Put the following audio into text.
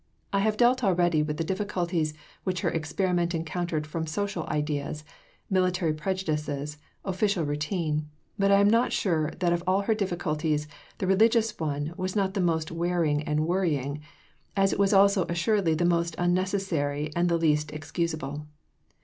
I have dealt already with the difficulties which her experiment encountered from social ideas, military prejudices, official routine; but I am not sure that of all her difficulties the religious one was not the most wearing and worrying, as it was also assuredly the most unnecessary and the least excusable.